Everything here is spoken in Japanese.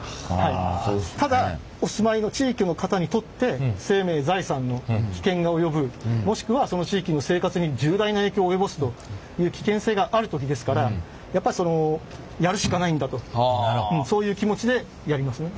ただお住まいの地域の方にとって生命財産の危険が及ぶもしくはその地域の生活に重大な影響を及ぼすという危険性がある時ですからやっぱそのやるしかないんだとそういう気持ちでやりますね。